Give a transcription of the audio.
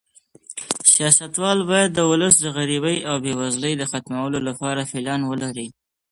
سیاستوال باید د ولس د غریبۍ او بې وزلۍ د ختمولو لپاره پلان ولري.